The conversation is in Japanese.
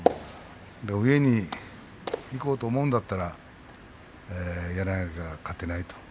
上にいこうと思うんだったらやらなきゃ勝てないと。